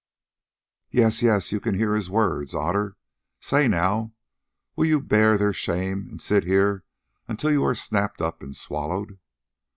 "Yes, yes, you can hear his words, Otter. Say now, will you bear their shame and sit here until you are snapped up and swallowed?"